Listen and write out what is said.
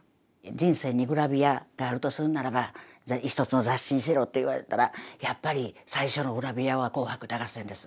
人生にグラビアがあるとするならば一つの雑誌にしろって言われたらやっぱり最初のグラビアは「紅白歌合戦」です